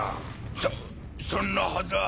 そそんなはずは。